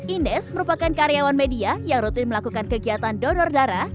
ines merupakan karyawan media yang rutin melakukan kegiatan donor darah